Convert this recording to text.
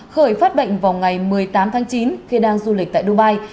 khởi phát bệnh vào ngày một mươi tám tháng chín khi đang du lịch tại dubai